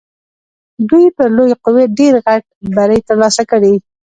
دوی پر لویې قوې ډېر غټ بری تر لاسه کړی.